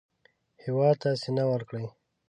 هېواد ته سینه ورکړئ